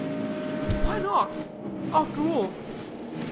JOE. Why not, after all?